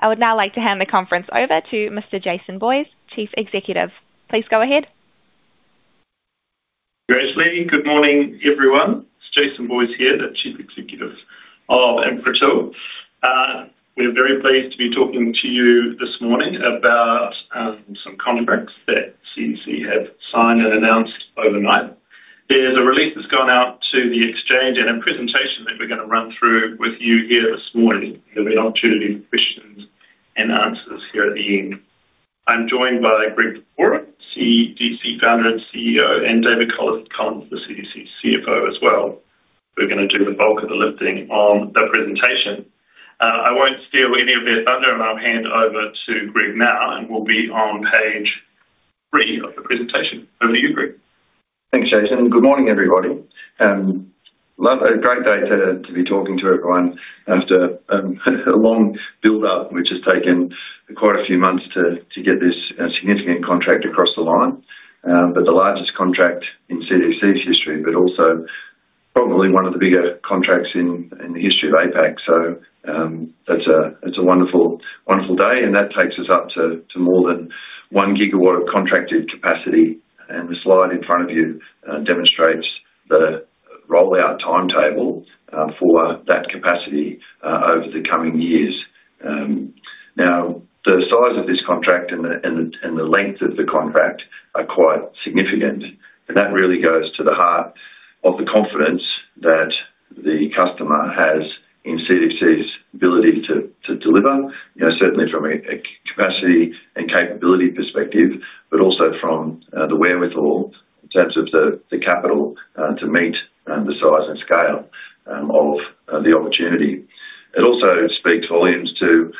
I would now like to hand the conference over to Mr. Jason Boyes, Chief Executive. Please go ahead. Great, Ashley. Good morning, everyone. It's Jason Boyes here, the Chief Executive of Infratil. We're very pleased to be talking to you this morning about some contracts that CDC have signed and announced overnight. There's a release that's gone out to the exchange and a presentation that we're going to run through with you here this morning. There'll be an opportunity for questions and answers here at the end. I'm joined by Greg Boorer, CDC Founder and CEO, and David Collins, currently the CDC CFO as well, who are going to do the bulk of the lifting on the presentation. I won't steal any of their thunder, and I'll hand over to Greg now, and we'll be on page three of the presentation. Over to you, Greg. Thanks, Jason. Good morning, everybody. A great day to be talking to everyone after a long build-up, which has taken quite a few months to get this significant contract across the line. The largest contract in CDC's history, but also probably one of the bigger contracts in the history of APAC. It's a wonderful day, and that takes us up to more than 1 GW of contracted capacity. The slide in front of you demonstrates the rollout timetable for that capacity over the coming years. Now, the size of this contract and the length of the contract are quite significant. That really goes to the heart of the confidence that the customer has in CDC's ability to deliver. You know, certainly from a capacity and capability perspective, but also from the wherewithal in terms of the capital to meet the size and scale of the opportunity. It also speaks volumes to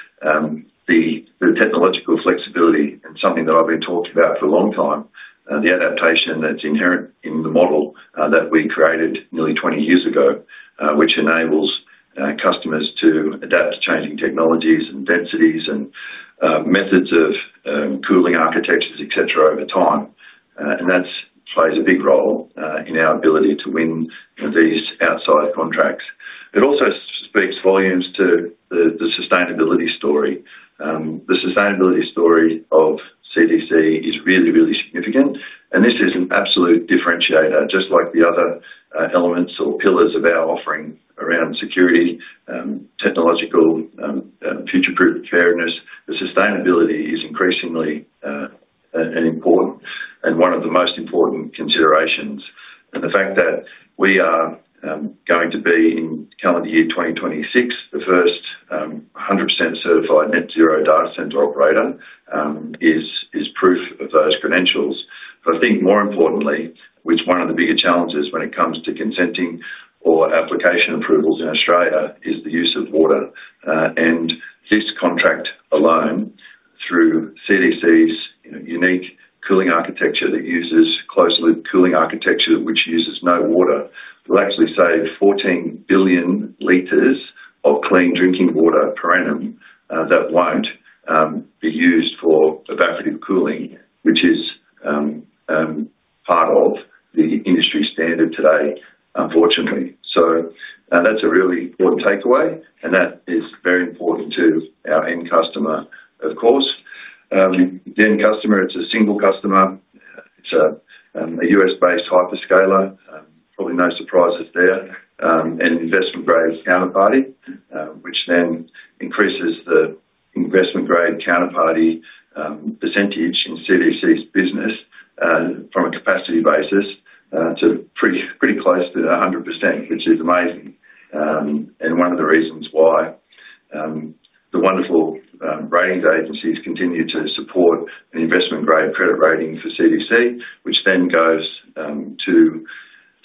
the technological flexibility and something that I've been talking about for a long time. The adaptation that's inherent in the model that we created nearly 20 years ago, which enables customers to adapt to changing technologies and densities and methods of cooling architectures, et cetera, over time. That plays a big role in our ability to win these outsized contracts. It also speaks volumes to the sustainability story. The sustainability story of CDC is really, really significant, and this is an absolute differentiator. Just like the other elements or pillars of our offering around security, technological, future-proofness. The sustainability is increasingly an important and one of the most important considerations. The fact that we are going to be, in calendar year 2026, the first 100% certified net zero data center operator, is proof of those credentials. I think more importantly, which one of the bigger challenges when it comes to consenting or application approvals in Australia is the use of water. This contract alone through CDC's, you know, unique cooling architecture that uses closed loop cooling architecture, which uses no water, will actually save 14 billion liters of clean drinking water per annum that won't be used for evaporative cooling, which is part of the industry standard today, unfortunately. That's a really important takeaway, and that is very important to our end customer, of course. The end customer, it's a single customer. It's a U.S.-based hyperscaler, probably no surprises there, and investment-grade counterparty. Which then increases the investment-grade counterparty percentage in CDC's business from a capacity basis to pretty close to 100%, which is amazing. And one of the reasons why the wonderful ratings agencies continue to support the investment-grade credit rating for CDC, which then goes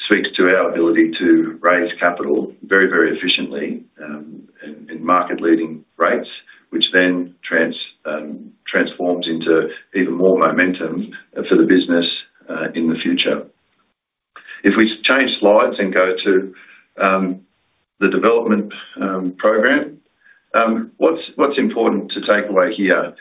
speaks to our ability to raise capital very, very efficiently and market-leading rates, which then transforms into even more momentum for the business in the future. If we change slides and go to the development program. What's important to take away here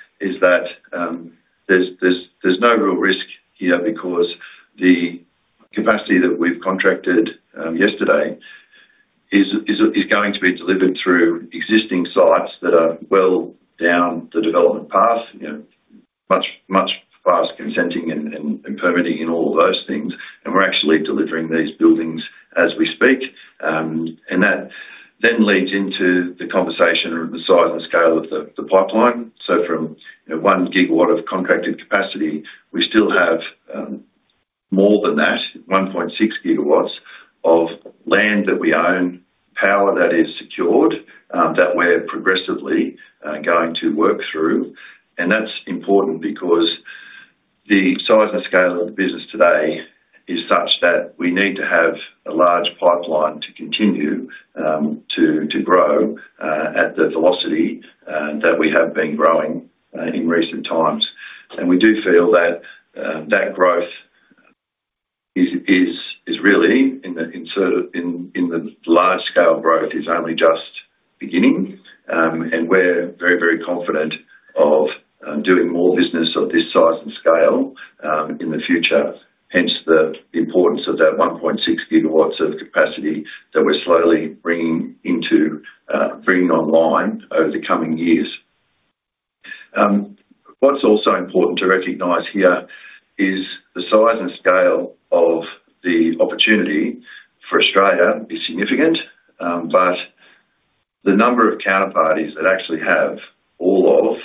but the number of counterparties that actually have all of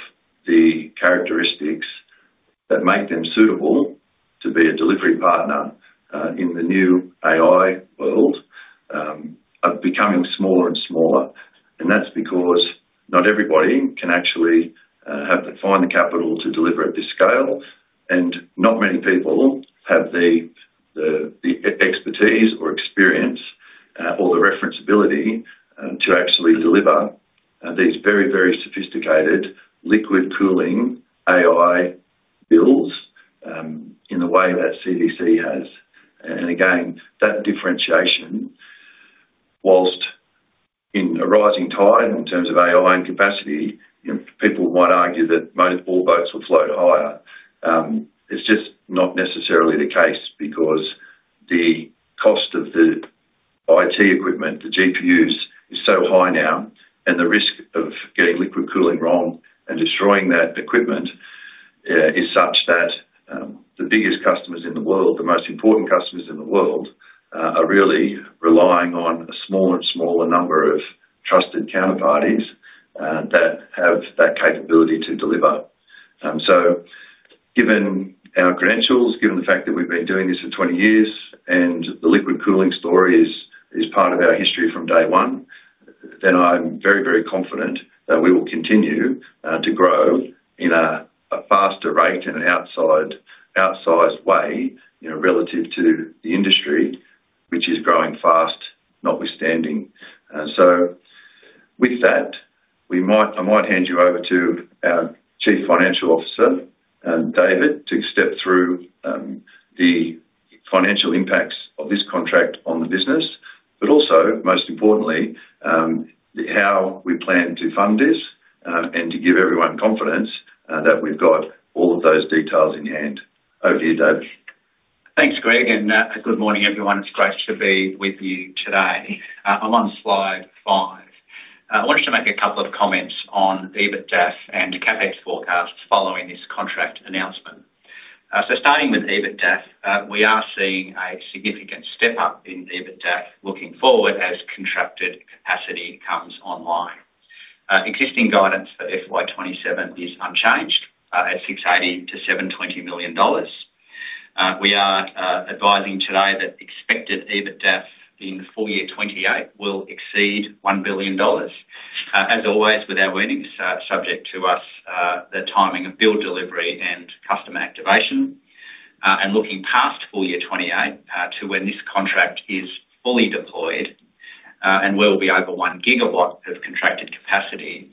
the characteristics that make them suitable to be a delivery partner in the new AI world are becoming smaller and smaller. That's because not everybody can actually have to find the capital to deliver at this scale. Not many people have the expertise or experience or the reference ability to actually deliver these very, very sophisticated liquid cooling AI builds in the way that CDC has. Again, that differentiation, whilst in a rising tide in terms of AI and capacity, you know, people might argue that all boats will float higher. It's just not necessarily the case because the cost of the IT equipment, the GPUs, is so high now, and the risk of getting liquid cooling wrong and destroying that equipment, is such that, the biggest customers in the world, the most important customers in the world, are really relying on a smaller and smaller number of trusted counterparties, that have that capability to deliver. Given our credentials, given the fact that we've been doing this for 20 years, and the liquid cooling story is part of our history from day one, then I'm very, very confident that we will continue, to grow in a faster rate and an outsized way, you know, relative to the industry, which is growing fast, notwithstanding. With that, I might hand you over to our Chief Financial Officer, David, to step through the financial impacts of this contract on the business. Also, most importantly, how we plan to fund this, and to give everyone confidence that we've got all of those details in hand. Over to you, David. Thanks, Greg. Good morning, everyone. It's great to be with you today. I'm on slide five. I wanted to make a couple of comments on EBITDAF and CapEx forecasts following this contract announcement. Starting with EBITDAF, we are seeing a significant step up in EBITDAF looking forward as contracted capacity comes online. Existing guidance for FY 2027 is unchanged at 680 million-720 million dollars. We are advising today that expected EBITDAF in the full year 2028 will exceed 1 billion dollars, as always, with our warnings, subject to us, the timing of bill delivery and customer activation. Looking past full year 2028, to when this contract is fully deployed, and will be over 1 GW of contracted capacity,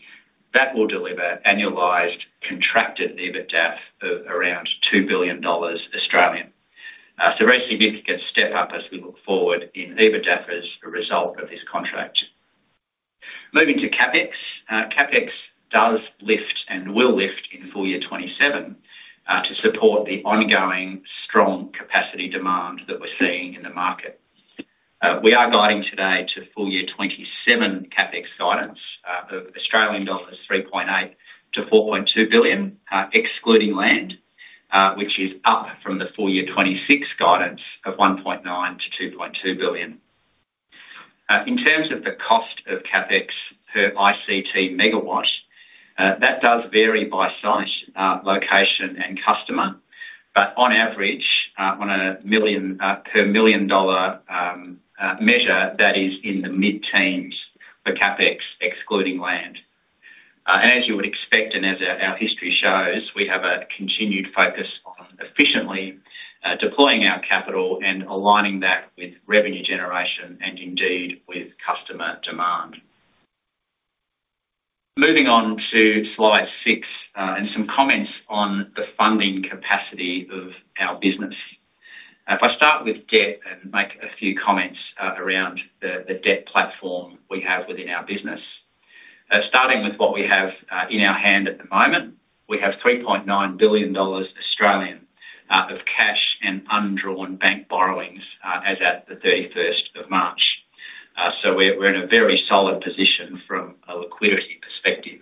that will deliver annualized contracted EBITDAF of around 2 billion Australian dollars. A very significant step up as we look forward in EBITDAF as a result of this contract. Moving to CapEx. CapEx does lift and will lift in full year 2027, to support the ongoing strong capacity demand that we're seeing in the market. We are guiding today to full year 2027 CapEx guidance of 3.8 billion-4.2 billion Australian dollar, excluding land, which is up from the full year 2026 guidance of 1.9 billion-2.2 billion. In terms of the cost of CapEx per ICT megawatt, that does vary by site, location, and customer. On average, on a million-dollar measure, that is in the mid-teens for CapEx, excluding land. As you would expect, and as our history shows, we have a continued focus on efficiently deploying our capital and aligning that with revenue generation and indeed with customer demand. Moving on to slide six, and some comments on the funding capacity of our business. If I start with debt and make a few comments around the debt platform we have within our business. Starting with what we have in our hand at the moment, we have 3.9 billion Australian dollars of cash and undrawn bank borrowings as at the 31st of March. We're in a very solid position from a liquidity perspective.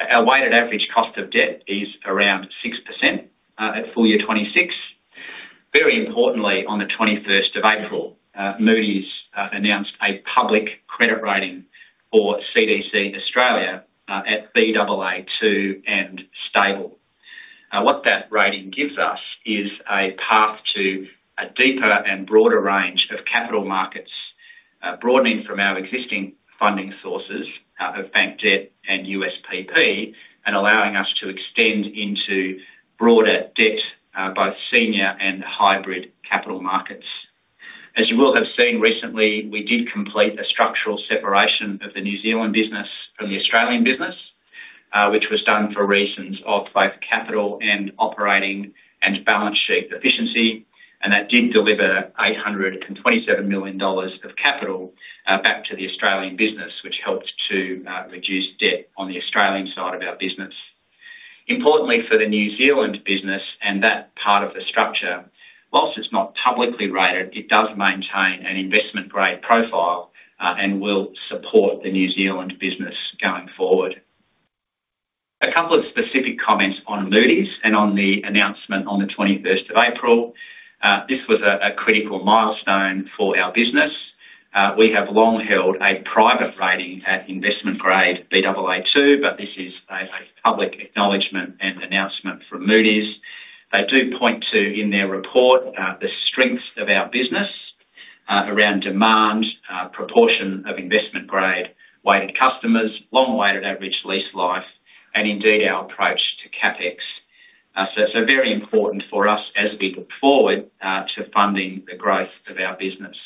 Our weighted average cost of debt is around 6% at full year 2026. Very importantly, on the 21st of April, Moody's announced a public credit rating for CDC Australia at Baa2 and stable. What that rating gives us is a path to a deeper and broader range of capital markets, broadening from our existing funding sources of bank debt and USPP, and allowing us to extend into broader debt, both senior and hybrid capital markets. As you will have seen recently, we did complete a structural separation of the New Zealand business from the Australian business, which was done for reasons of both capital and operating and balance sheet efficiency. That did deliver 827 million dollars of capital back to the Australian business, which helped to reduce debt on the Australian side of our business. Importantly, for the New Zealand business and that part of the structure, whilst it's not publicly rated, it does maintain an investment-grade profile and will support the New Zealand business going forward. A couple of specific comments on Moody's and on the announcement on the 21st of April. This was a critical milestone for our business. We have long held a private rating at investment-grade Baa2, this is a public acknowledgment and announcement from Moody's. They do point to, in their report, the strengths of our business around demand, proportion of investment-grade weighted customers, long-weighted average lease life, and indeed our approach to CapEx. It's very important for us as we look forward to funding the growth of our business.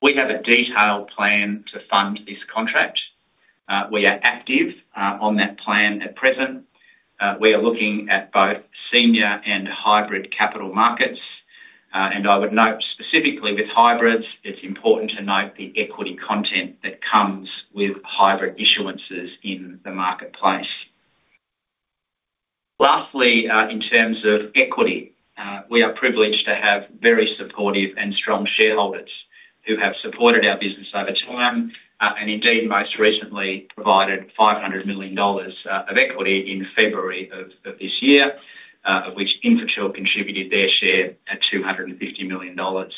We have a detailed plan to fund this contract. We are active on that plan at present. We are looking at both senior and hybrid capital markets. I would note specifically with hybrids, it's important to note the equity content that comes with hybrid issuances in the marketplace. Lastly, in terms of equity, we are privileged to have very supportive and strong shareholders who have supported our business over time, and indeed, most recently, provided 500 million dollars of equity in February of this year, of which Infratil contributed their share at 250 million dollars.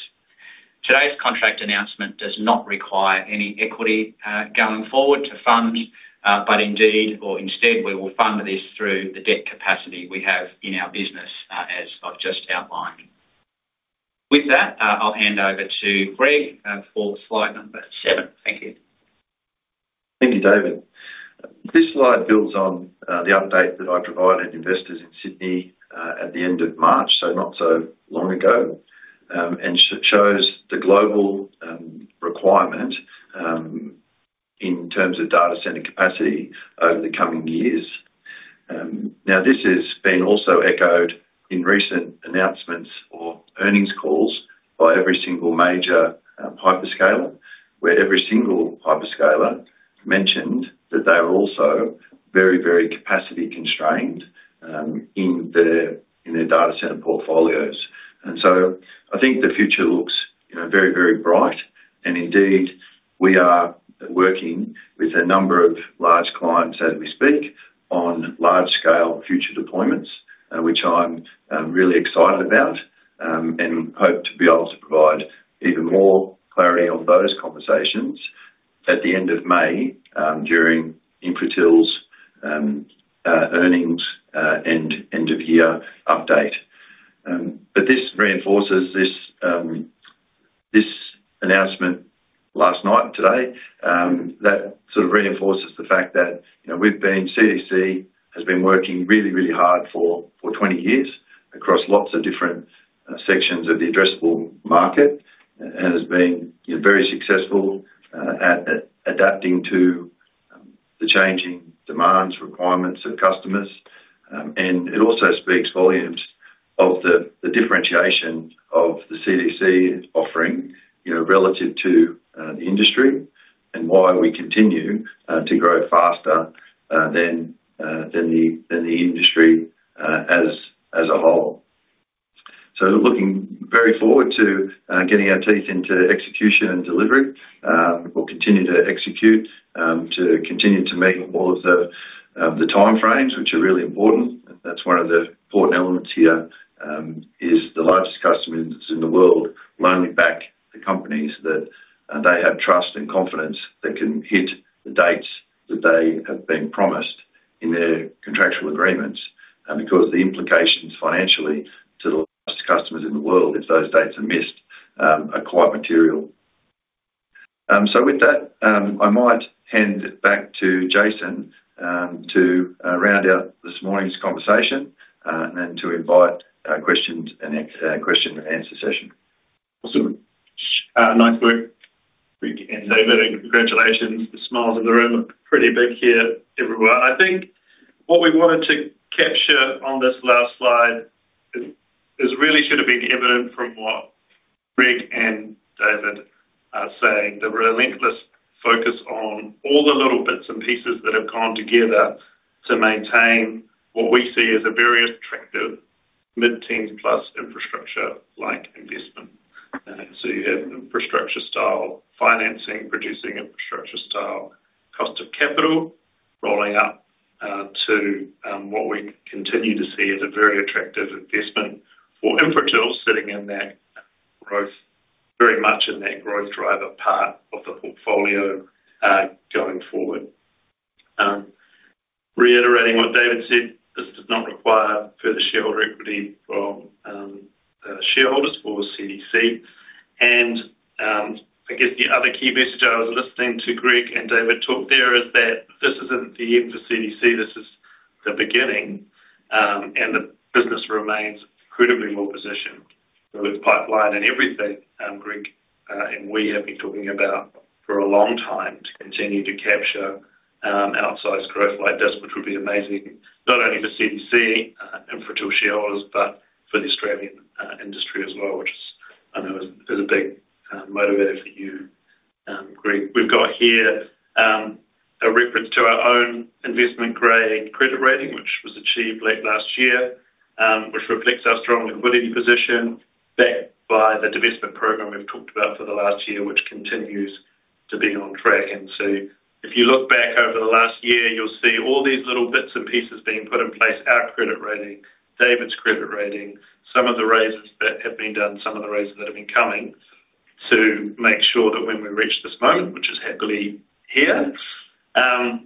Today's contract announcement does not require any equity going forward to fund, but indeed or instead, we will fund this through the debt capacity we have in our business, as I've just outlined. With that, I'll hand over to Greg for slide number seven. Thank you. Thank you, David. This slide builds on the update that I provided investors in Sydney at the end of March, so not so long ago. This shows the global requirement in terms of data center capacity over the coming years. Now this has been also echoed in recent announcements or earnings calls by every single major hyperscaler. Where every single hyperscaler mentioned that they are also very, very capacity constrained in their data center portfolios. I think the future looks, you know, very, very bright. Indeed, we are working with a number of large clients as we speak on large-scale future deployments, which I'm really excited about and hope to be able to provide even more clarity on those conversations at the end of May during Infratil's earnings and end-of-year update. This reinforces this announcement last night and today, that sort of reinforces the fact that, you know, CDC has been working really hard for 20 years across lots of different sections of the addressable market and has been, you know, very successful at adapting to the changing demands, requirements of customers. It also speaks volumes of the differentiation of the CDC offering, you know, relative to the industry and why we continue to grow faster than the industry as a whole. Looking very forward to getting our teeth into execution and delivery. We'll continue to execute to continue to meet all of the time frames, which are really important. That's one of the important elements here is the largest customers in the world will only back the companies that they have trust and confidence that can hit the dates that they have been promised in their contractual agreements, because the implications financially to the largest customers in the world if those dates are missed are quite material. With that, I might hand back to Jason, to round out this morning's conversation, and to invite questions and a question and answer session. Awesome. Nice work, Greg and David. Congratulations. The smiles in the room look pretty big here everywhere. I think what we wanted to capture on this last slide is really should have been evident from what Greg and David are saying. The relentless focus on all the little bits and pieces that have gone together to maintain what we see as a very attractive mid-10s plus infrastructure-like investment. You have infrastructure style financing, producing infrastructure style cost of capital, rolling up to what we continue to see as a very attractive investment for Infratil sitting in that very much in that growth driver part of the portfolio going forward. Reiterating what David said, this does not require further shareholder equity from shareholders for CDC. I guess the other key message I was listening to Greg and David talk there is that this isn't the end for CDC, this is the beginning. The business remains incredibly well-positioned with pipeline and everything, Greg, and we have been talking about for a long time to continue to capture outsized growth like this, which would be amazing, not only for CDC, and for shareholders, but for the Australian industry as well, which is, I know is a big motivator for you, Greg. We've got here a reference to our own investment-grade credit rating, which was achieved late last year, which reflects our strong liquidity position backed by the divestment program we've talked about for the last year, which continues to be on track. If you look back over the last year, you'll see all these little bits and pieces being put in place, our credit rating, David's credit rating, some of the raises that have been done, some of the raises that have been coming to make sure that when we reach this moment, which is happily here,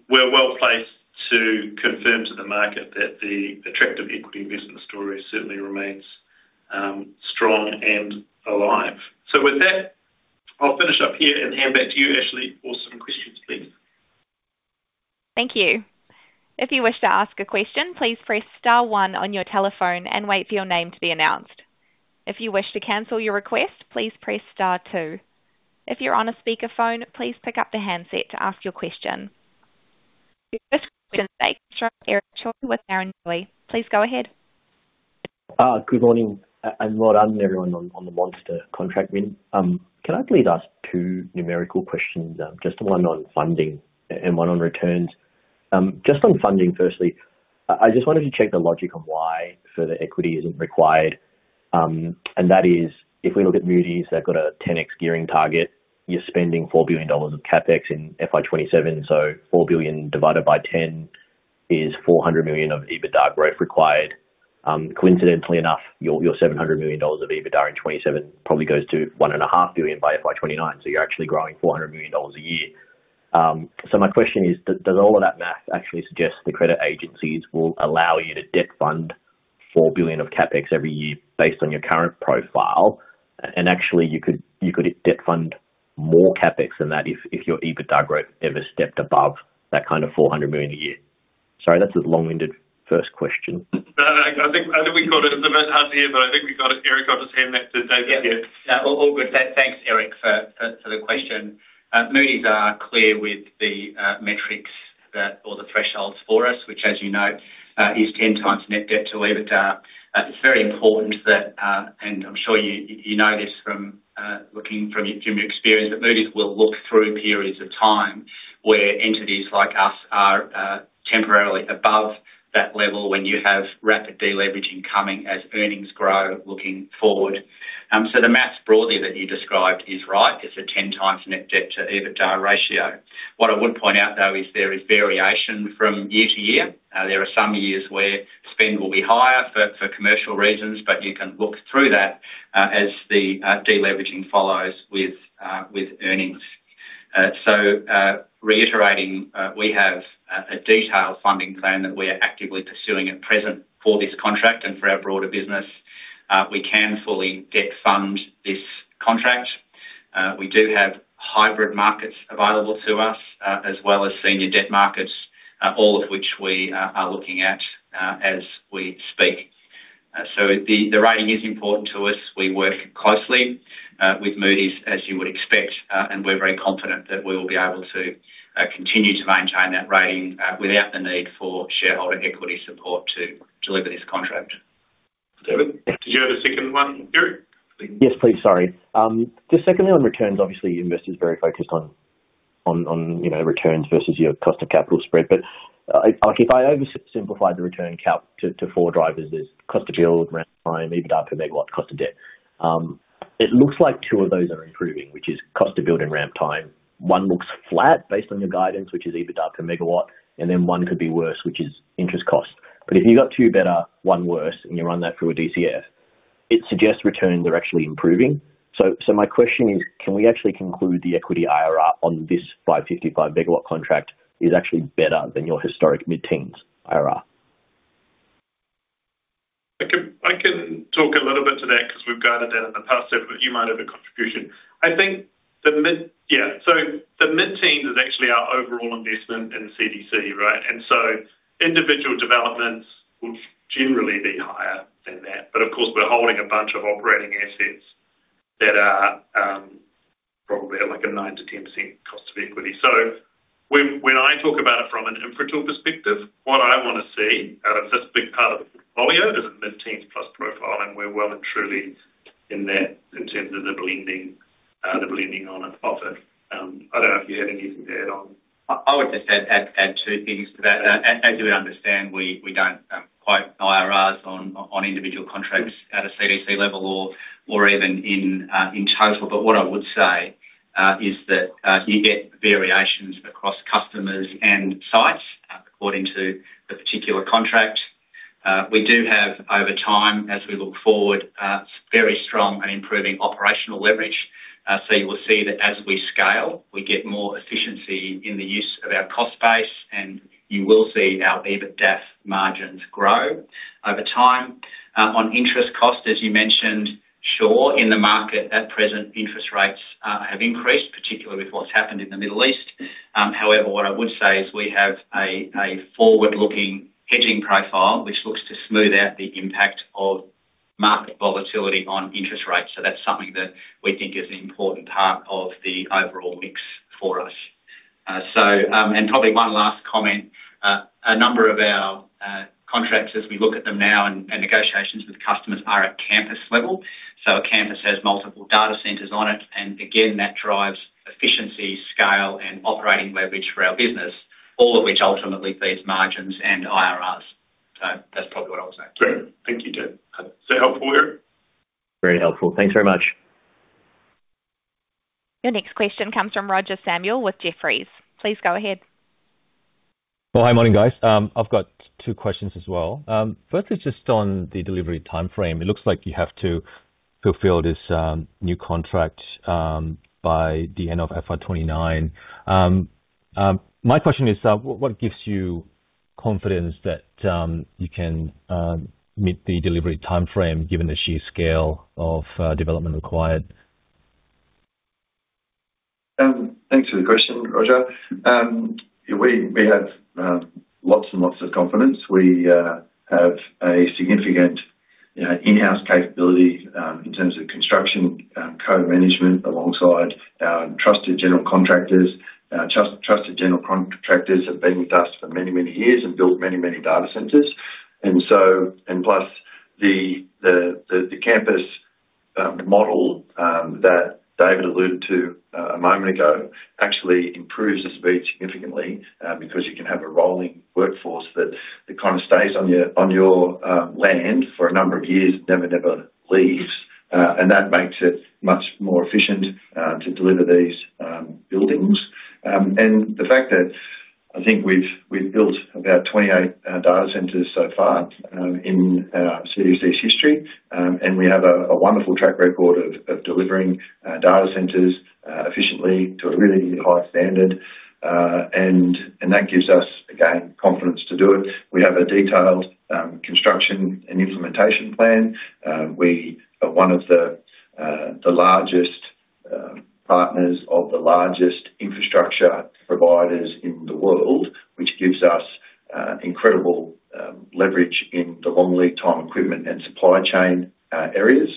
we're well-placed to confirm to the market that the attractive equity investment story certainly remains strong and alive. With that, I'll finish up here and hand back to you, Ashley, for some questions please. Your first question today from Eric Choi with Barrenjoey. Please go ahead. Good morning and well done everyone on the monster contract win. Can I please ask two numerical questions, just one on funding and one on returns. Just on funding firstly, I just wanted to check the logic on why further equity isn't required. And that is if we look at Moody's, they've got a 10x gearing target. You're spending 4 billion dollars of CapEx in FY 2027, so 4 billion divided by 10 is 400 million of EBITDA growth required. Coincidentally enough, your 700 million dollars of EBITDA in 2027 probably goes to 1.5 billion by FY 2029, so you're actually growing 400 million dollars a year. My question is, does all of that math actually suggest the credit agencies will allow you to debt fund 4 billion of CapEx every year based on your current profile? Actually you could debt fund more CapEx than that if your EBITDA growth ever stepped above that kind of 400 million a year. Sorry, that's a long-winded first question. No, I think we got it. It was a bit hard to hear, but I think we got it. Eric, I'll just hand back to David here. All good. Thanks, Eric for the question. Moody's are clear with the metrics that or the thresholds for us, which as you know, is 10 times net debt to EBITDA. It's very important that, and I'm sure you know this from looking from your experience, that Moody's will look through periods of time where entities like us are temporarily above that level when you have rapid de-leveraging coming as earnings grow looking forward. The maths broadly that you described is right. It's a 10 times net debt to EBITDA ratio. What I would point out though is there is variation from year to year. There are some years where spend will be higher for commercial reasons, but you can look through that as the de-leveraging follows with earnings. Reiterating, we have a detailed funding plan that we are actively pursuing at present for this contract and for our broader business. We can fully debt fund this contract. We do have hybrid markets available to us, as well as senior debt markets, all of which we are looking at as we speak. The rating is important to us. We work closely with Moody's, as you would expect, and we're very confident that we will be able to continue to maintain that rating without the need for shareholder equity support to deliver this contract. David. Did you have a second one, Eric? Yes, please. Sorry. Just secondly, on returns, obviously investors are very focused on, you know, returns versus your cost of capital spread. Like if I oversimplify the return calc to four drivers, there's cost to build, ramp time, EBITDAF per MW, cost of debt. It looks like two of those are improving, which is cost to build and ramp time. One looks flat based on your guidance, which is EBITDAF per MW, and then one could be worse, which is interest cost. If you've got two better, one worse, and you run that through a DCF, it suggests returns are actually improving. My question is, can we actually conclude the equity IRR on this 555 MW contract is actually better than your historic mid-teens IRR? I can talk a little bit to that because we've guided that in the past, David, but you might have a contribution. I think the mid-teens is actually our overall investment in CDC, right? Individual developments will generally be higher than that. Of course, we're holding a bunch of operating assets that are probably at like a 9% to 10% cost of equity. When I talk about it from an Infratil perspective, what I wanna see out of this big part of the portfolio is a mid-teens+ profile, and we're well and truly in that in terms of the blending on it, of it. I don't know if you have anything to add on. I would just add two things to that. As you understand, we don't quote IRRs on individual contracts at a CDC level or even in total. What I would say is that you get variations across customers and sites according to the particular contract. We do have over time, as we look forward, very strong and improving operational leverage. You will see that as we scale, we get more efficiency in the use of our cost base, and you will see our EBITDAF margins grow over time. On interest cost, as you mentioned, sure, in the market at present, interest rates have increased, particularly with what's happened in the Middle East. However, what I would say is we have a forward-looking hedging profile which looks to smooth out the impact of market volatility on interest rates. That's something that we think is an important part of the overall mix for us. Probably one last comment. A number of our contracts as we look at them now and negotiations with customers are at campus level. A campus has multiple data centers on it, and again, that drives efficiency, scale, and operating leverage for our business, all of which ultimately feeds margins and IRRs. That's probably what I'll say. Great. Thank you, David. Is that helpful, Eric? Very helpful. Thanks very much. Your next question comes from Roger Samuel with Jefferies. Please go ahead. Well, hi, morning, guys. I've got two questions as well. Firstly, just on the delivery timeframe. It looks like you have to fulfill this new contract by the end of FY 2029. My question is, what gives you confidence that you can meet the delivery timeframe given the sheer scale of development required? Thanks for the question, Roger. We have lots and lots of confidence. We have a significant in-house capability in terms of construction, co-management alongside our trusted general contractors. Our trusted general contractors have been with us for many years and built many data centers. Plus the campus model that David alluded to a moment ago actually improves the speed significantly because you can have a rolling workforce that kind of stays on your land for a number of years, never leaves. That makes it much more efficient to deliver these buildings. The fact that I think we've built about 28 data centers so far in CDC's history. We have a wonderful track record of delivering data centers efficiently to a really high standard. That gives us, again, confidence to do it. We have a detailed construction and implementation plan. We are one of the largest partners of the largest infrastructure providers in the world, which gives us incredible leverage in the long lead time equipment and supply chain areas.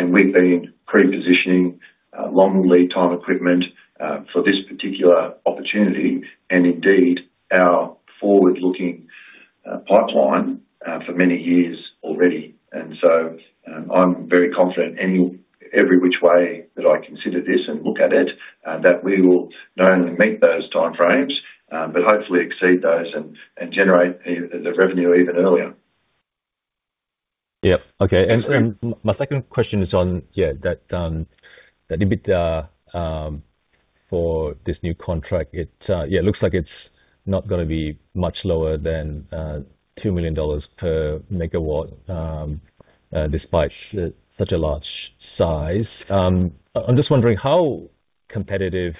We've been pre-positioning long lead time equipment for this particular opportunity and indeed our forward-looking pipeline for many years already. I'm very confident every which way that I consider this and look at it, that we will not only meet those timeframes, but hopefully exceed those and generate the revenue even earlier. Yeah. Okay. That's great. My second question is on, yeah, that, the EBITDA for this new contract. It, yeah, it looks like it's not gonna be much lower than 2 million dollars per MW despite such a large size. I'm just wondering how competitive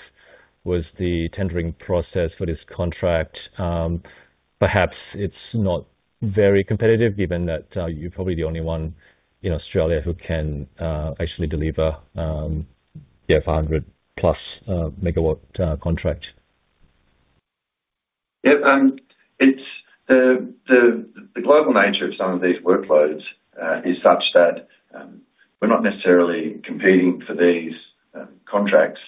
was the tendering process for this contract? Perhaps it's not very competitive given that you're probably the only one in Australia who can actually deliver the 500+ MW contract. Yeah. It's the global nature of some of these workloads is such that we're not necessarily competing for these contracts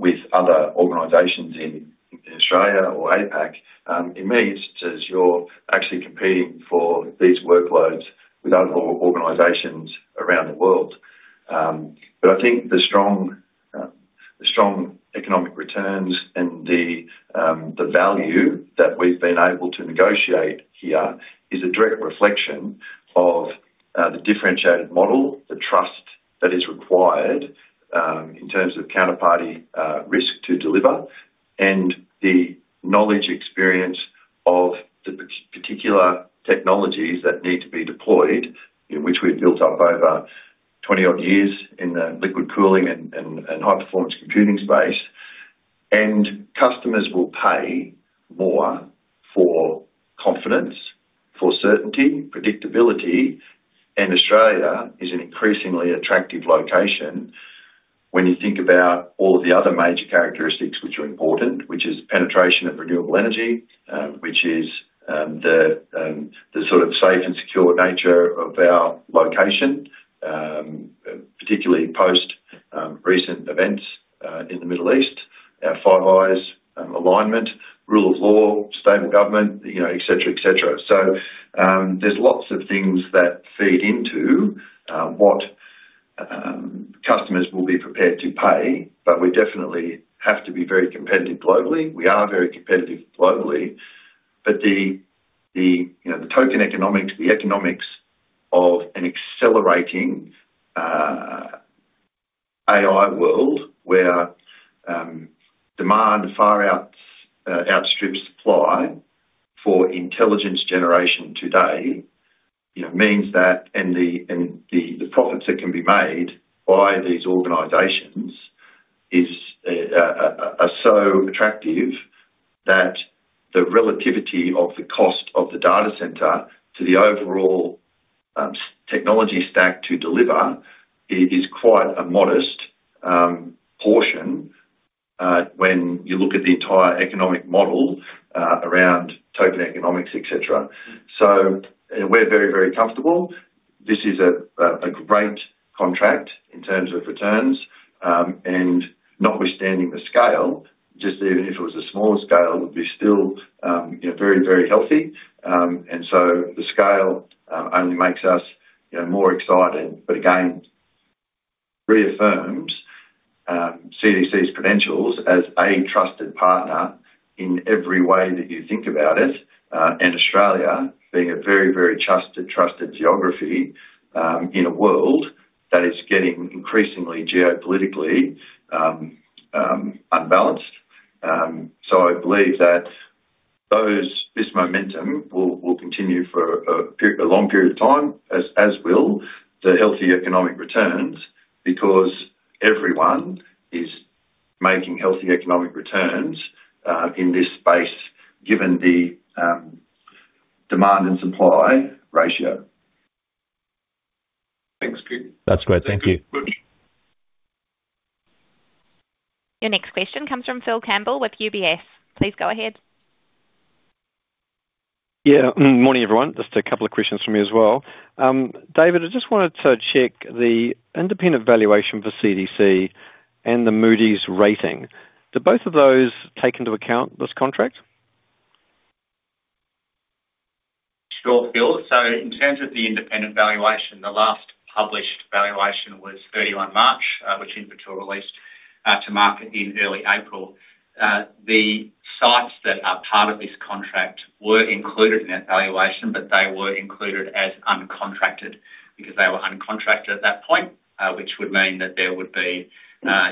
with other organizations in Australia or APAC. I mean, you're actually competing for these workloads with other organizations around the world. But I think the strong economic returns and the value that we've been able to negotiate here is a direct reflection of the differentiated model, the trust that is required in terms of counterparty risk to deliver, and the knowledge experience of the particular technologies that need to be deployed, you know, which we've built up over 20 odd years in the liquid cooling and high performance computing space. Customers will pay more for confidence, for certainty, predictability. Australia is an increasingly attractive location when you think about all of the other major characteristics which are important, which is penetration of renewable energy, which is the sort of safe and secure nature of our location, particularly post recent events in the Middle East. Our Five Eyes alignment, rule of law, stable government, you know, et cetera, et cetera. There's lots of things that feed into what customers will be prepared to pay, but we definitely have to be very competitive globally. We are very competitive globally. The, you know, the token economics, the economics of an accelerating AI world where demand far outstrips supply for intelligence generation today, you know, means that the profits that can be made by these organizations are so attractive that the relativity of the cost of the data center to the overall technology stack to deliver is quite a modest portion when you look at the entire economic model around token economics, et cetera. We're very, very comfortable. This is a great contract in terms of returns, and notwithstanding the scale, just even if it was a smaller scale, it would be still, you know, very, very healthy. The scale only makes us, you know, more excited. Again, reaffirms CDC's credentials as a trusted partner in every way that you think about it. Australia being a very, very trusted geography in a world that is getting increasingly geopolitically unbalanced. I believe that this momentum will continue for a long period of time, as will the healthy economic returns because everyone is making healthy economic returns in this space, given the demand and supply ratio. Thanks. That's great. Thank you. Thank you very much. Your next question comes from Phil Campbell with UBS. Please go ahead. Morning, everyone. Just a couple of questions from me as well. David, I just wanted to check the independent valuation for CDC and the Moody's rating. Do both of those take into account this contract? Sure, Phil. In terms of the independent valuation, the last published valuation was 31 March, which Infratil released to market in early April. The sites that are part of this contract were included in that valuation, but they were included as uncontracted because they were uncontracted at that point, which would mean that there would be,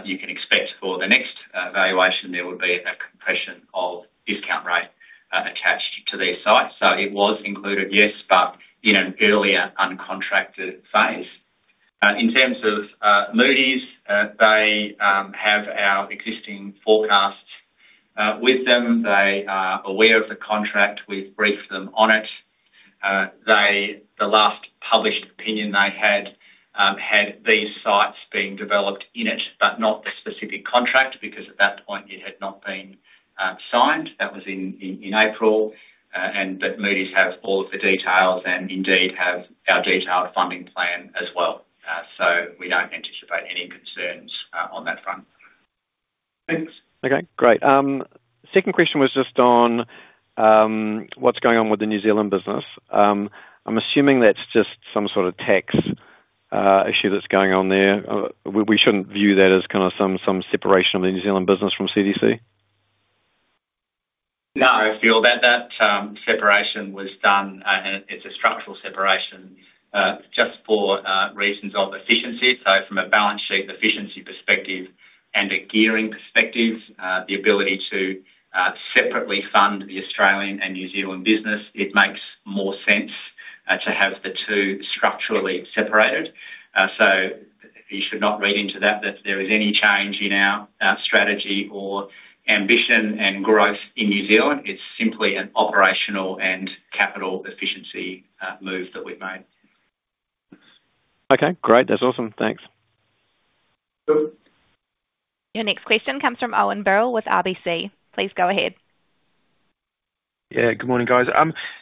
you can expect for the next valuation, there would be a compression of discount rate attached to these sites. It was included, yes, but in an earlier uncontracted phase. In terms of Moody's, they have our existing forecasts with them. They are aware of the contract. We've briefed them on it. The last published opinion they had these sites being developed in it, but not the specific contract, because at that point it had not been, signed. That was in April. But Moody's have all of the details and indeed have our detailed funding plan as well. We don't anticipate any concerns, on that front. Thanks. Okay, great. Second question was just on what's going on with the New Zealand business. I'm assuming that's just some sort of tax issue that's going on there. We shouldn't view that as kinda some separation of the New Zealand business from CDC. No, Phil, that separation was done. It's a structural separation, just for reasons of efficiency. From a balance sheet efficiency perspective and a gearing perspective, the ability to separately fund the Australian and New Zealand business, it makes more sense to have the two structurally separated. You should not read into that there is any change in our strategy or ambition and growth in New Zealand. It's simply an operational and capital efficiency move that we've made. Okay, great. That's awesome. Thanks. Cool. Your next question comes from Owen Birrell with RBC. Please go ahead. Yeah. Good morning, guys.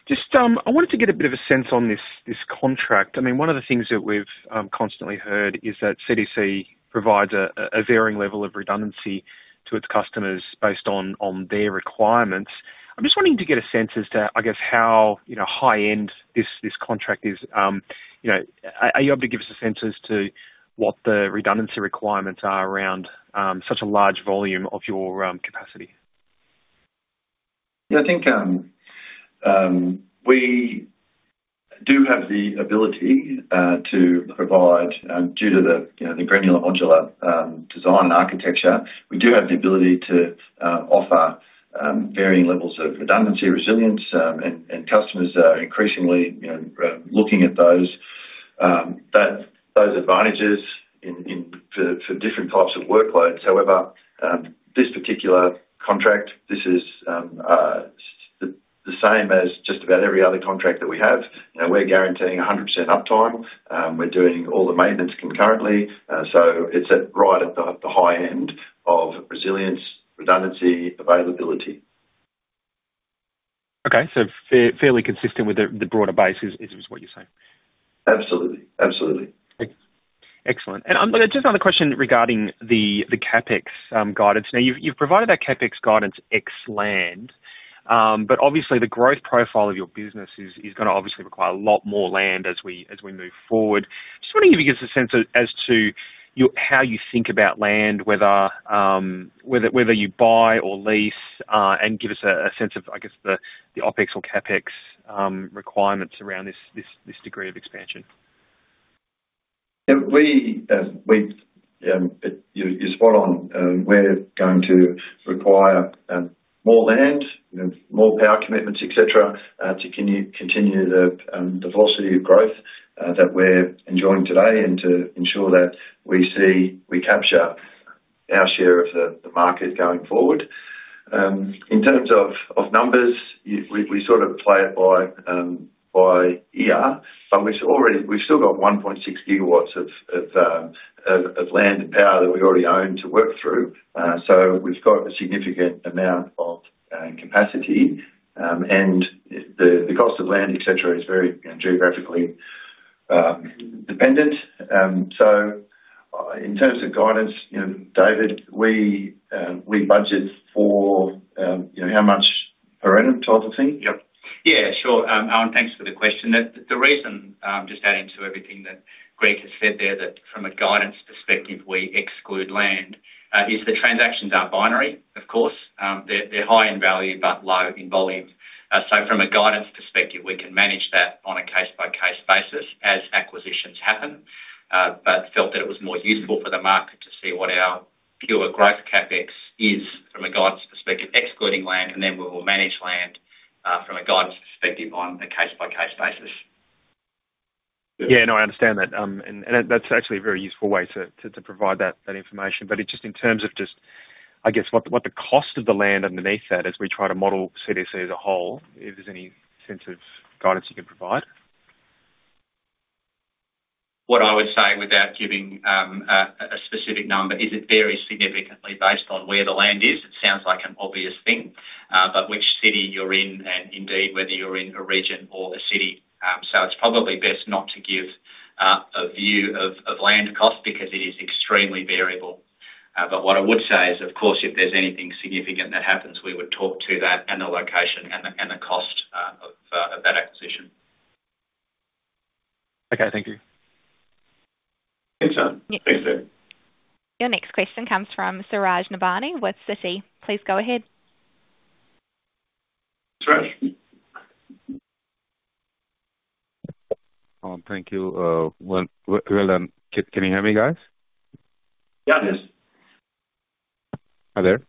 Just, I wanted to get a bit of a sense on this contract. I mean, one of the things that we've constantly heard is that CDC provides a varying level of redundancy to its customers based on their requirements. I'm just wanting to get a sense as to, I guess, how, you know, high end this contract is. You know, are you able to give us a sense as to what the redundancy requirements are around such a large volume of your capacity? Yeah, I think, we do have the ability to provide, due to the, you know, the granular modular design architecture, we do have the ability to offer varying levels of redundancy, resilience, and customers are increasingly, you know, looking at those advantages for different types of workloads. However, this particular contract, this is the same as just about every other contract that we have. You know, we're guaranteeing 100% uptime. We're doing all the maintenance concurrently. It's right at the high end of resilience, redundancy, availability. Okay. fairly consistent with the broader base is what you're saying? Absolutely. Absolutely. Excellent. Just another question regarding the CapEx guidance. You've provided that CapEx guidance ex land, but obviously the growth profile of your business is gonna obviously require a lot more land as we move forward. Just wondering if you give us a sense as to how you think about land, whether you buy or lease, and give us a sense of, I guess, the OpEx or CapEx requirements around this degree of expansion? Yeah. You're spot on. We're going to require more land, you know, more power commitments, et cetera, to continue the velocity of growth that we're enjoying today and to ensure that we capture our share of the market going forward. In terms of numbers, we sort of play it by ear. We've still got 1.6 GW of land and power that we already own to work through. We've got a significant amount of capacity. The cost of land, et cetera, is very geographically dependent. In terms of guidance, you know, David, we budget for, you know, how much per annum type of thing. Yep. Yeah, sure. Owen, thanks for the question. The reason, just adding to everything that Greg has said there that from a guidance perspective, we exclude land, is the transactions are binary, of course. They're high in value, but low in volume. From a guidance perspective, we can manage that on a case-by-case basis as acquisitions happen. Felt that it was more useful for the market to see what our pure growth CapEx is from a guidance perspective, excluding land, and then we will manage land from a guidance perspective on a case-by-case basis. Yeah. No, I understand that. And that's actually a very useful way to provide that information. Just in terms of just, I guess, what the cost of the land underneath that as we try to model CDC as a whole, if there's any sense of guidance you can provide? What I would say without giving a specific number is it varies significantly based on where the land is. It sounds like an obvious thing, but which city you're in, and indeed, whether you're in a region or a city. It's probably best not to give a view of land cost because it is extremely variable. What I would say is, of course, if there's anything significant that happens, we would talk to that and the location and the cost of that acquisition. Okay, thank you. Thanks, Owen. Yeah. Thanks, David. Your next question comes from Suraj Nebhani with Citi. Please go ahead. Suraj. Thank you. Well, can you hear me, guys? Yeah, I can. Hi there.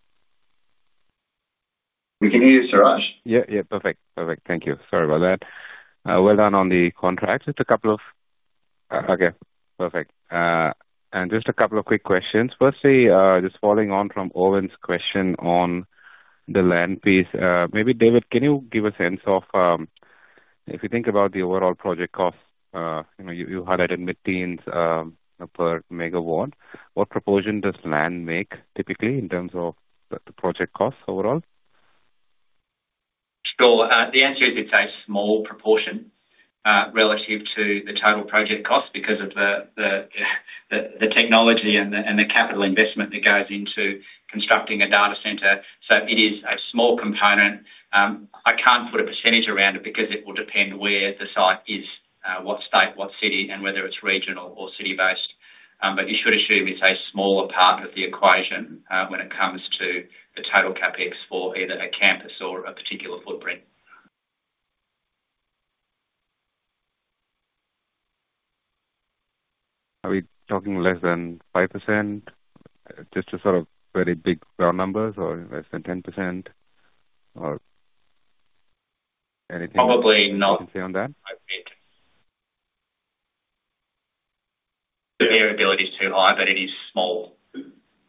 We can hear you, Suraj. Yeah. Yeah. Perfect. Perfect. Thank you. Sorry about that. Well done on the contracts. Just a couple of quick questions. Firstly, just following on from Owen's question on the land piece. Maybe, David, can you give a sense of, if you think about the overall project cost, you know, you had it in mid-teens per megawatt. What proportion does land make typically in terms of the project costs overall? Sure. The answer is it's a small proportion, relative to the total project cost because of the, the technology and the, and the capital investment that goes into constructing a data center. It is a small component. I can't put a percentage around it because it will depend where the site is, what state, what city, and whether it's regional or city-based. You should assume it's a smaller part of the equation when it comes to the total CapEx for either a campus or a particular footprint. Are we talking less than 5%? Just to sort of very big round numbers or less than 10% or anything? Probably not. What can you can say on that? The variability is too high, but it is small.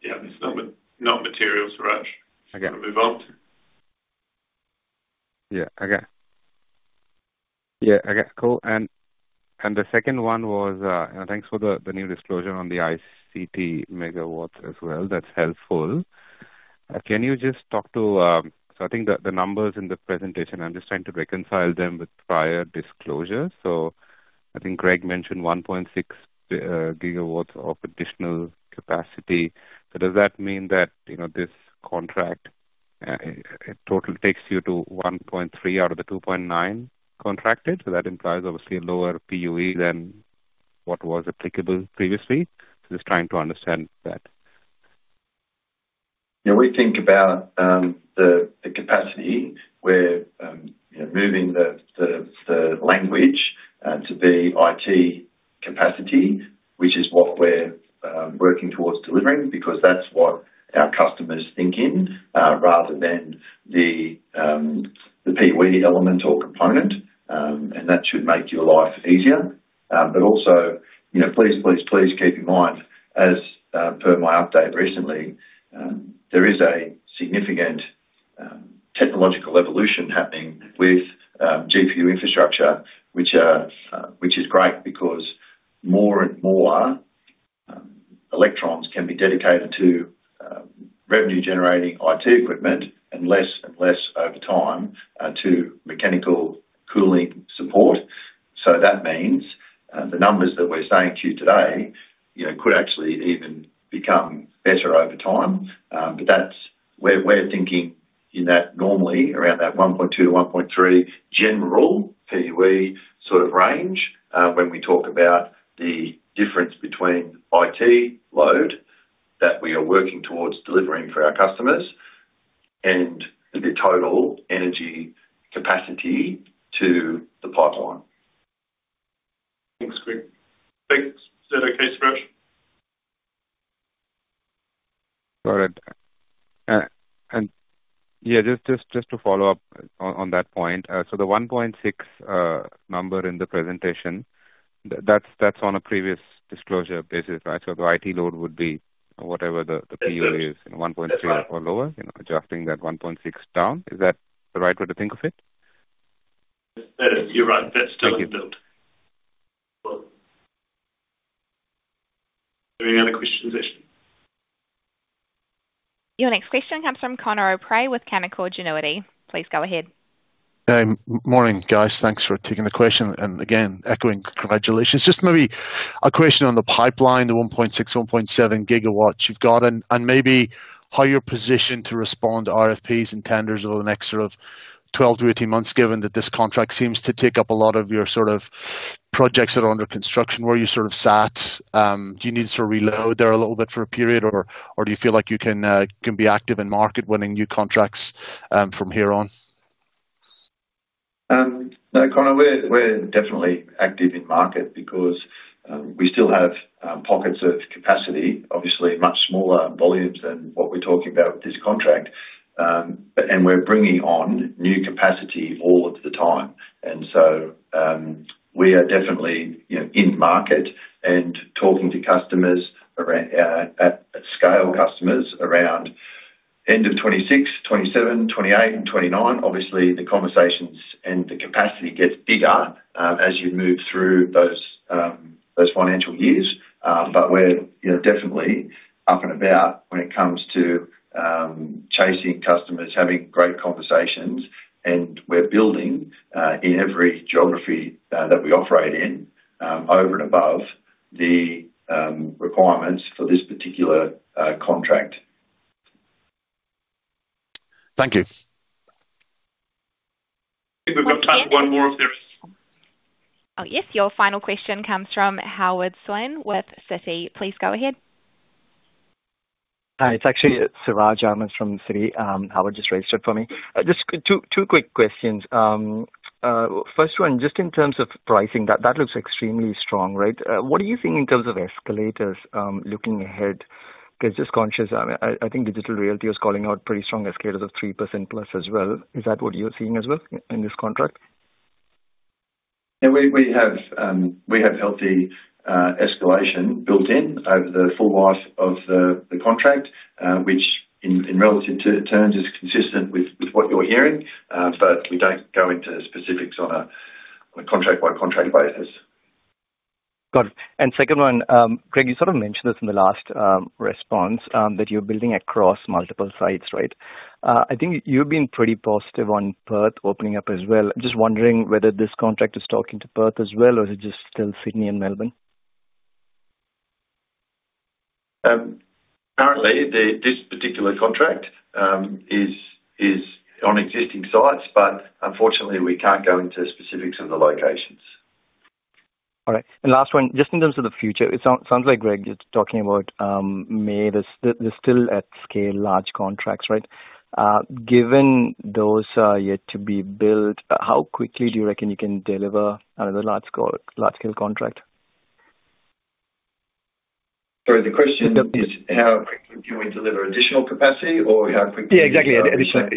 Yeah. It's not material, Suraj. Okay. You can move on. Okay. Okay. Cool. The second one was, and thanks for the new disclosure on the ICT megawatts as well. That's helpful. Can you just talk to, so I think the numbers in the presentation, I'm just trying to reconcile them with prior disclosure. I think Greg mentioned 1.6 gigawatts of additional capacity. Does that mean that, you know, this contract, total takes you to 1.3 out of the 2.9 contracted? That implies obviously a lower PUE than what was applicable previously. Just trying to understand that. Yeah. When we think about the capacity, we're, you know, moving the language to be IT capacity, which is what we're working towards delivering because that's what our customers think in rather than the PUE element or component. That should make your life easier. Also, you know, please, please keep in mind, as per my update recently, there is a significant technological evolution happening with GPU infrastructure, which is great because more and more electrons can be dedicated to revenue-generating IT equipment and less and less over time to mechanical cooling support. That means, the numbers that we're saying to you today, you know, could actually even become better over time. That's where we're thinking in that normally around that 1.2, 1.3 general PUE sort of range, when we talk about the difference between IT load that we are working towards delivering for our customers and the total energy capacity to the pipeline. Thanks, Greg. Thanks. Is that okay, Suraj? Got it. Just to follow up on that point. The 1.6 number in the presentation, that's on a previous disclosure basis, right? The IT load would be whatever the PUE is, 1.6 or lower, you know, adjusting that 1.6 down. Is that the right way to think of it? That is, you're right. Thank you. That's still in the build. Any other questions, Ashley? Your next question comes from Conor O'Prey with Canaccord Genuity. Please go ahead. Morning, guys. Thanks for taking the question. Again, echoing congratulations. Just maybe a question on the pipeline, the 1.6, 1.7 GW you've got, and maybe how you're positioned to respond to RFPs and tenders over the next sort of 12 to 18 months, given that this contract seems to take up a lot of your sort of projects that are under construction. Where are you sort of sat? Do you need to sort of reload there a little bit for a period? Or do you feel like you can be active in market-winning new contracts from here on? No, Conor, we're definitely active in market because we still have pockets of capacity, obviously much smaller volumes than what we're talking about with this contract. We're bringing on new capacity all of the time. So, we are definitely, you know, in market and talking to customers at scale customers around end of 2026, 2027, 2028 and 2029. Obviously, the conversations and the capacity gets bigger as you move through those financial years. We're, you know, definitely up and about when it comes to chasing customers, having great conversations, and we're building in every geography that we operate in over and above the requirements for this particular contract. Thank you. One moment. think we've got time for one more if there is. Oh, yes. Your final question comes from Howard Swain with Citi. Please go ahead. Hi, it's actually Siraj Ahmed from Citi. Howard just registered for me. Just two quick questions. First one, just in terms of pricing, that looks extremely strong, right? What are you seeing in terms of escalators looking ahead? 'Cause just conscious, I think Digital Realty was calling out pretty strong escalators of 3% + as well. Is that what you're seeing as well in this contract? Yeah. We have healthy escalation built in over the full life of the contract, which in relative terms is consistent with what you're hearing. We don't go into specifics on a contract-by-contract basis. Got it. Second one, Greg, you sort of mentioned this in the last response, that you're building across multiple sites, right? I think you've been pretty positive on Perth opening up as well. Just wondering whether this contract is talking to Perth as well or is it just still Sydney and Melbourne? Currently the, this particular contract is on existing sites, but unfortunately we can't go into specifics of the locations. All right. Last one, just in terms of the future, it sounds like Greg is talking about May. There's still at scale large contracts, right? Given those are yet to be built, how quickly do you reckon you can deliver another large scale contract? Sorry, the question is how quickly can we deliver additional capacity? Yeah, exactly. Additional.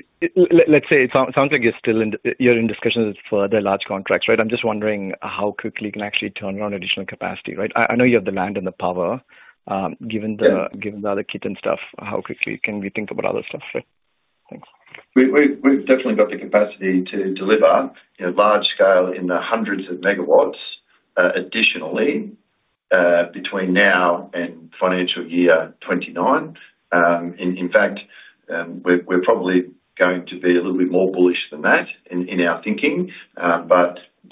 Let's say it sounds like you're still in discussions for the large contracts, right? I'm just wondering how quickly you can actually turn around additional capacity, right? I know you have the land and the power. Yeah. Given the other kit and stuff, how quickly can we think about other stuff, right? Thanks. We've definitely got the capacity to deliver, you know, large scale in the hundreds of megawatts additionally, between now and financial year 2029. In fact, we're probably going to be a little bit more bullish than that in our thinking.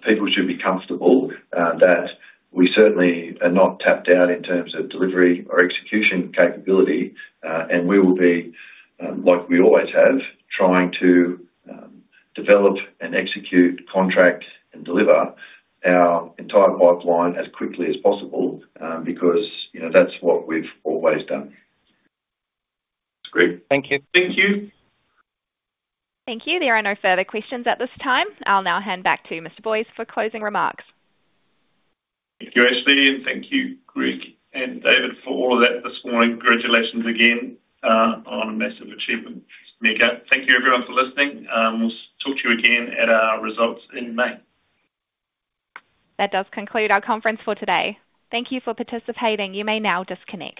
People should be comfortable that we certainly are not tapped out in terms of delivery or execution capability. We will be, like we always have, trying to develop and execute, contract and deliver our entire pipeline as quickly as possible, because, you know, that's what we've always done. Thanks, Greg. Thank you. Thank you. Thank you. There are no further questions at this time. I'll now hand back to Mr. Boyes for closing remarks. Thank you, Ashley. Thank you, Greg and David for all of that this morning. Congratulations again, on a massive achievement, mate. Thank you everyone for listening. We'll talk to you again at our results in May. That does conclude our conference for today. Thank you for participating. You may now disconnect.